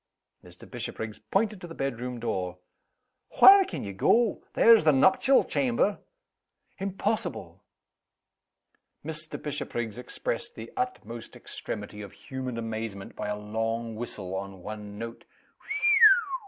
Mr. Bishopriggs pointed to the bedroom door. "Whar' can ye go? There's the nuptial chamber!" "Impossible!" Mr. Bishopriggs expressed the utmost extremity of human amazement by a long whistle, on one note. "Whew!